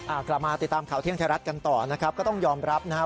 กลับมาติดตามข่าวเที่ยงไทยรัฐกันต่อนะครับก็ต้องยอมรับนะฮะ